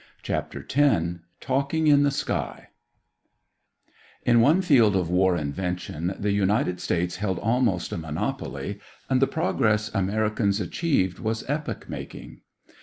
CHAPTER X TALKING IN THE SKY In one field of war invention the United States held almost a monopoly and the progress Americans achieved was epoch making.